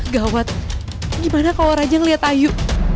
gawat gimana kalau raja ngeliat ayu